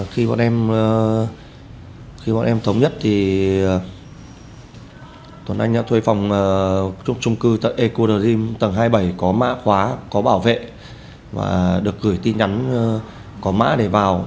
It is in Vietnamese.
khi bọn em thống nhất thì tuần anh thuê phòng trung cư tầng ecuradim tầng hai mươi bảy có mã khóa có bảo vệ và được gửi tin nhắn có mã để vào